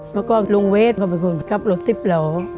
แล้วก็ลุงเวทเขาเป็นคนขับรถสิบเหล่า